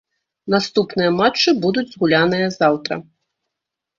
Наступныя матчы будуць згуляныя заўтра.